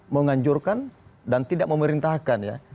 menganjurkan dan tidak memerintahkan ya